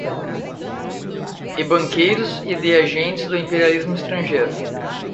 e banqueiros e de agentes do imperialismo estrangeiro